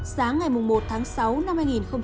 sáng ngày một tháng sáu năm hai nghìn hai mươi